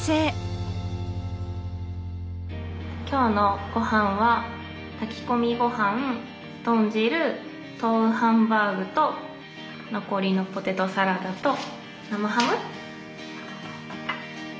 今日のごはんは炊き込みごはん豚汁豆腐ハンバーグと残りのポテトサラダと生ハム。